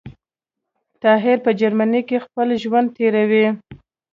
طاهر په جرمنی کي خپل ژوند تیروی